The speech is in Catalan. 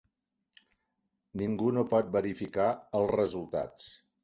Ningú no pot verificar els resultats.